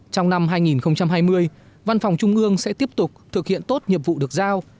trong năm hai nghìn hai mươi văn phòng trung ương sẽ tiếp tục thực hiện tốt nhiệm vụ được giao